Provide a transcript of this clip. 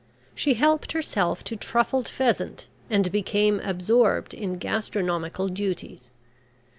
She helped herself to truffled pheasant, and became absorbed in gastronomical duties.